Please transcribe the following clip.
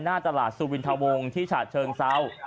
หน้าตลาดสุวินทะวงที่ฉะเชิงเซา